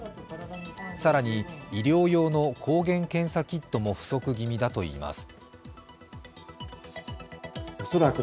更に医療用の抗原検査キットも不足気味だといいます。